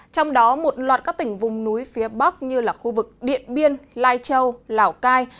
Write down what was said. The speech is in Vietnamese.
trong đó một loạt các tỉnh vùng núi phía bắc như là khu vực điện biên lai châu lào cai